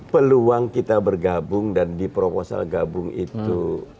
peluang kita bergabung dan di proposal gabung itu